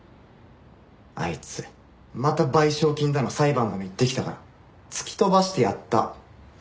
あいつまた賠償金だの裁判だの言ってきたから突き飛ばしてやった。